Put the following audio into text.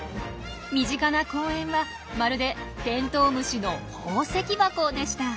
身近な公園はまるでテントウムシの宝石箱でした。